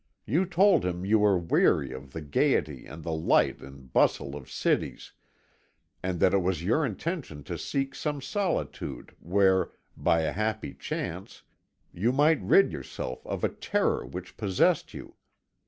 You told him you were weary of the gaiety and the light and bustle of cities, and that it was your intention to seek some solitude where, by a happy chance, you might rid yourself of a terror which possessed you.